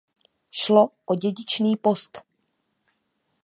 Šlo o dědičný post.